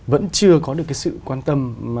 vẫn chưa có được cái sự quan tâm